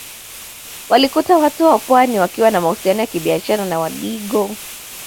Walikuta Watu wa Pwani wakiwa na mahusiano ya kibiashara na Wadigo